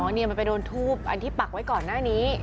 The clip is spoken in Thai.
นี่มันไปโดนทูบอันที่ปักไว้ก่อนหน้านี้